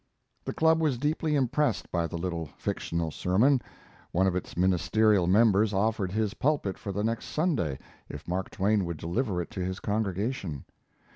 The club was deeply impressed by the little fictional sermon. One of its ministerial members offered his pulpit for the next Sunday if Mark Twain would deliver it to his congregation.